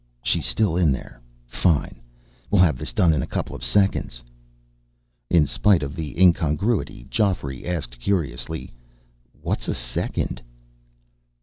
"She's still in there. Fine. We'll have this done in a couple of seconds." In spite of the incongruity, Geoffrey asked curiously: "What's a second?"